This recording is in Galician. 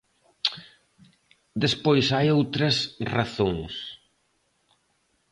Despois hai outras razóns.